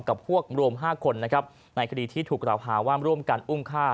กับพวกรวม๕คนนะครับในคดีที่ถูกกล่าวหาว่าร่วมกันอุ้มฆ่า